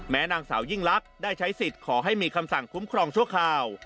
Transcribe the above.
นางสาวยิ่งลักษณ์ได้ใช้สิทธิ์ขอให้มีคำสั่งคุ้มครองชั่วคราว